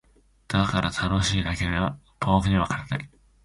だが「楽しい」だけが僕にはわからない。